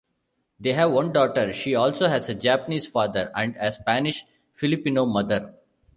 They have one daughter. She also has a Japanese father and a Spanish-Filipino mother.